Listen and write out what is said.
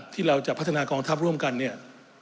ที่เราจะพัฒนากองทัพร่วมกันเนี่ย